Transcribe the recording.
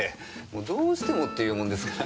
もうどうしてもって言うもんですから。